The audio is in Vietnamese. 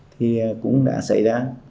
thì cũng đã xảy ra